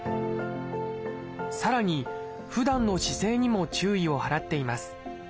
さらにふだんの姿勢にも注意を払っています。